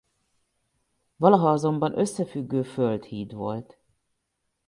Valaha azonban összefüggő földhíd volt.